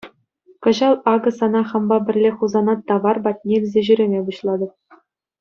Кӑҫал акӑ сана хампа пӗрле Хусана тавар патне илсе ҫӳреме пуҫлатӑп.